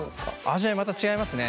味わいまた違いますね。